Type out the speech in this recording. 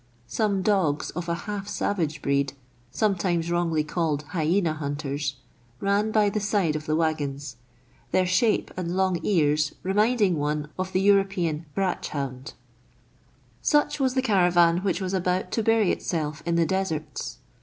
Some dogs of a half savage breed, sometimes wrongly called "hyena hunters," ran by the side of the waggons, their shape and long ears reminding one of the European brach hound. £ 2 52 meridiana; the adventures of Such was the caravan which was about to bur}'' itself in the deserts.